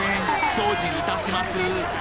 精進いたします